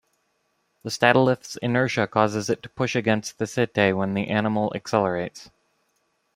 The statolith's inertia causes it to push against the setae when the animal accelerates.